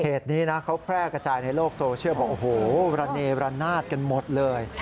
นี้นะเขาแพร่กระจายในโลกโซเชียลบอกโอ้โหระเนรนาศกันหมดเลย